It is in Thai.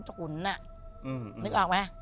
นึกออกไหม